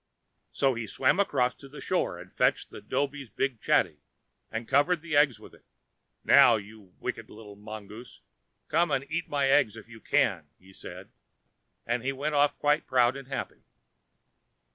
So he swam across to the shore, and fetched the dhobi's big chatty, and covered the eggs with it. "Now, you wicked little mongoose, come and eat my eggs if you can," said he, and he went off quite proud and happy.